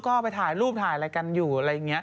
ก็ไปถ่ายรูปถ่ายอะไรกันอยู่